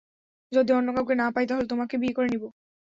যদি অন্য কাউকে না পাই তাহলে তোমাকে বিয়ে করে নিবো।